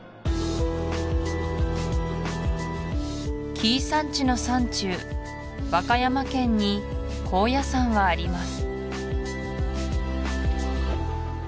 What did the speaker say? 紀伊山地の山中和歌山県に高野山はあります